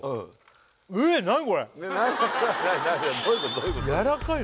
どういうこと！？